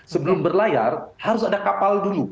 sebelum berlayar harus ada kapal dulu